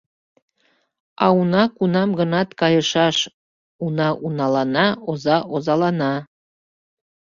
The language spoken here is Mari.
А уна кунам-гынат кайышаш: уна — уналана, оза — озалана.